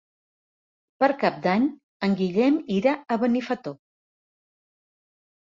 Per Cap d'Any en Guillem irà a Benifato.